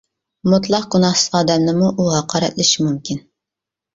مۇتلەق گۇناھسىز ئادەمنىمۇ ئۇ ھاقارەتلىشى مۇمكىن.